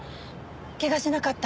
怪我しなかった？